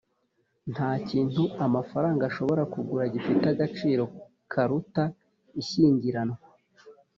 Nta kintu amafaranga ashobora kugura gifite agaciro karuta ishyingiranwa